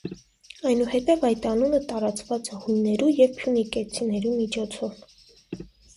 Այնուհետեւ այդ անունը տարածուած է յոյներու եւ փիւնիկեցիներու միջոցով։